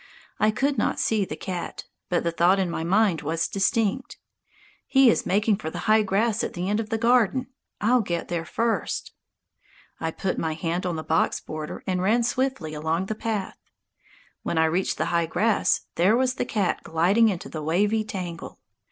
I could not see the cat. But the thought in my mind was distinct: "He is making for the high grass at the end of the garden. I'll get there first!" I put my hand on the box border and ran swiftly along the path. When I reached the high grass, there was the cat gliding into the wavy tangle.